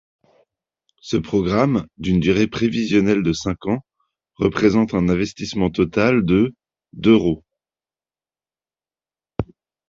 Ce programme, d’une durée prévisionnelle de cinq ans, représente un investissement total de d’euros.